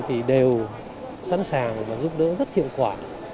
thì đều sẵn sàng và giúp đỡ rất hiệu quả